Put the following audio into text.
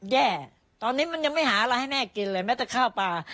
แย่ตอนนี้มันยังไม่หาอะไรให้แม่กินเลยแม้แต่ข้าวปลา